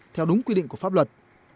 theo đúng quy định của pháp luật